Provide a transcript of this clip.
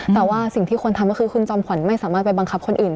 แต่ว่าสิ่งที่คนทำก็คือคุณจอมขวัญไม่สามารถไปบังคับคนอื่น